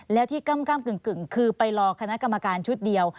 แล้วที่ก้ำกึ่งคือไปรอคณะกรรมการชุดเดียว